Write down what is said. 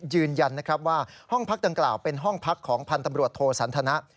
ยืนยันนะครับว่าห้องพักดังกล่าวเป็นห้องพักของพันธ์ตำรวจโทสันทนะ